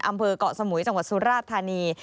อำเภอกเกาะสมุยจังหวัดสุราชธานี